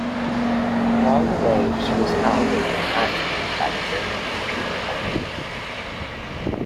Along the way she was hounded constantly by German torpedo bombers.